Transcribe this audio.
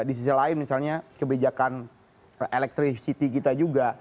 di sisi lain misalnya kebijakan electricity kita juga